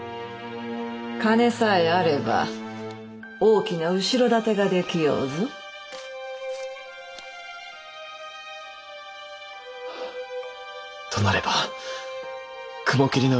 金さえあれば大きな後ろ盾ができようぞ。となれば雲霧の動きが気になります。